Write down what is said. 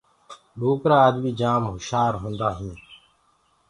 ڏوڪرآ آدمي جآم هُشآر هوندآ هينٚ۔